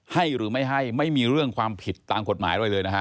หรือไม่ให้ไม่มีเรื่องความผิดตามกฎหมายอะไรเลยนะฮะ